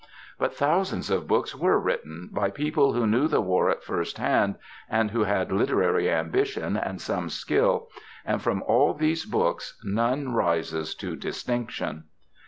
But thousands of books were written by people who knew the war at first hand and who had literary ambition and some skill, and from all these books none rises to distinction.